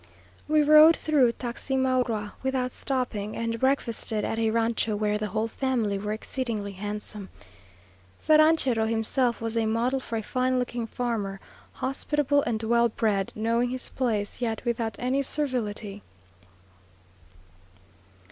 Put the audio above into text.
We rode through Taximaroa without stopping, and breakfasted at a rancho, where the whole family were exceedingly handsome. The ranchero himself was a model for a fine looking farmer, hospitable and well bred; knowing his place, yet without any servility.